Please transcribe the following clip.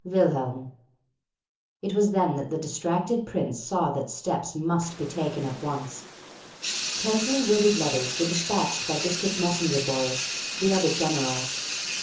WILHELM." It was then that the distracted prince saw that steps must be taken at once. Carefully worded letters were despatched by District Messenger boys to the other generals.